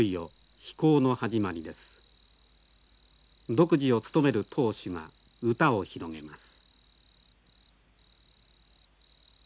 読師を務める当主が歌を広げます。